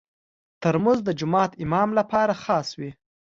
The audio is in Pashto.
ترموز د جومات امام لپاره خاص وي.